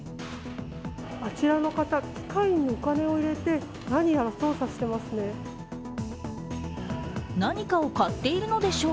あちらの方、機械にお金を入れて何やら操作してますね。